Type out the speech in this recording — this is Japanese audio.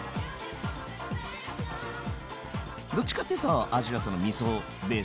どっちかっていうとみそベース。